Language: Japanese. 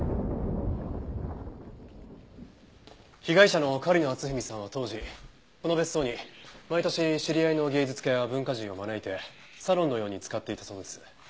被害者の狩野篤文さんは当時この別荘に毎年知り合いの芸術家や文化人を招いてサロンのように使っていたそうです。